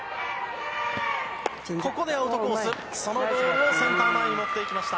ここでアウトコース、そのボールをセンター前に持っていきました。